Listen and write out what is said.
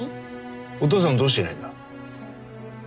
お父さんどうしていないんだ？